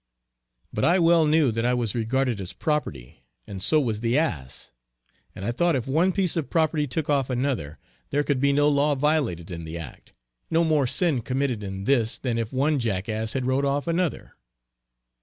But I well knew that I was regarded as property, and so was the ass; and I thought if one piece of property took off another, there could be no law violated in the act; no more sin committed in this than if one jackass had rode off another.